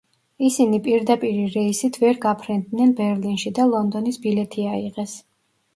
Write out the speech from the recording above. ისინი პირდაპირი რეისით ვერ გაფრინდნენ ბერლინში და ლონდონის ბილეთი აიღეს.